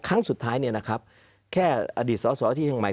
ครั้งสุดท้ายเนี่ยนะครับแค่อดีตสอสอที่เชียงใหม่